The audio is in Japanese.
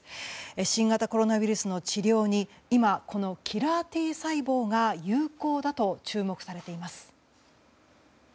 新型コロナウイルスの治療に今、このキラーＴ細胞が有効だと注目されています。